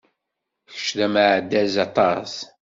Kečč d ameɛdaz aṭas!